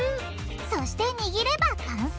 そしてにぎれば完成！